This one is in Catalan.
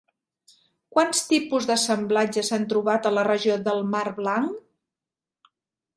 Quants tipus d'assemblatge s'han trobat a la regió del mar Blanc?